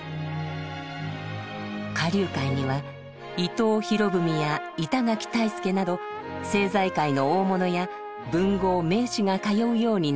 花柳界には伊藤博文や板垣退助など政財界の大物や文豪名士が通うようになります。